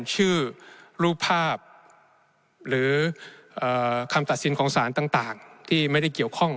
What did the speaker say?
ชื่อรูปภาพหรือคำตัดสินของสารต่างที่ไม่ได้เกี่ยวข้อง